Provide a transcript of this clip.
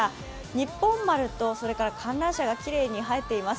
「日本丸」と観覧車がきれいに映えています。